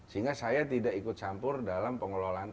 sehingga saya tidak ikut campur dalam pengelolaan klub seharian